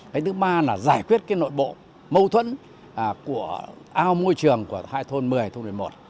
cái thứ ba là giải quyết cái nội bộ mâu thuẫn của ao môi trường của hai thôn một mươi thôn một mươi một